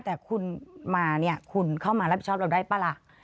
แต่คุณมาเนี่ยคุณเข้ามารับผิดชอบเราได้ป่ะล่ะ